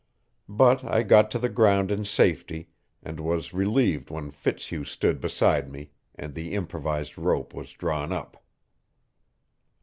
But I got to the ground in safety, and was relieved when Fitzhugh stood beside me, and the improvised rope was drawn up.